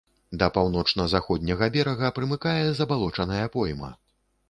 Да паўночна-заходняга берага прымыкае забалочаная пойма.